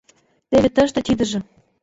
— Теве тыште, тидыже.